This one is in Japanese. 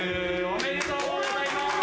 おめでとうございます。